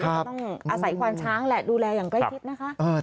ก็ต้องอาศัยควานช้างแหละดูแลอย่างใกล้ชิดนะคะ